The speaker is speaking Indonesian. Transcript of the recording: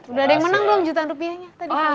udah ada yang menang belum jutaan rupiahnya